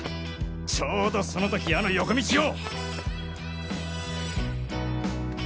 ちょうどその時あの横道を。